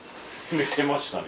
寝てましたね。